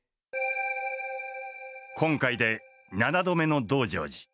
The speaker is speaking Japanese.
今回で７度目の「道成寺」。